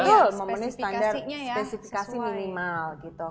iya memenuhi standar spesifikasi minimal gitu